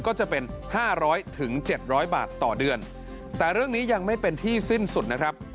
ก็จะเป็น๕๐๐๗๐๐บาทต่อเดือนแต่เรื่องนี้ยังไม่เป็นที่สิ้นสุดนะครับ